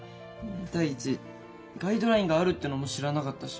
第一ガイドラインがあるってのも知らなかったし。